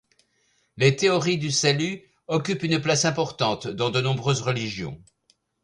Les théories du salut occupent une place importante dans de nombreuses religions.